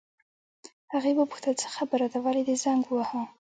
هغې وپوښتل: څه خبره ده، ولې دې زنګ وواهه؟